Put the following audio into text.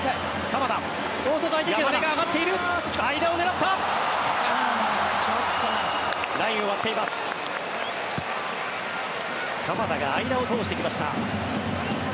鎌田が間を通してきました。